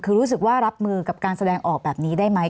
คือรู้สึกว่ารับมือกับการแสดงออกแบบนี้ได้ไหม